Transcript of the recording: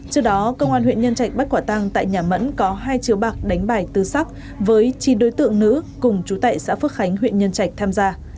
trước đó công an huyện nhân trạch bắt quả tăng tại nhà mẫn có hai chiếu bạc đánh bài tư sắc với chín đối tượng nữ cùng chú tại xã phước khánh huyện nhân trạch tham gia